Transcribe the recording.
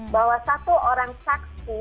bahwa satu orang saksi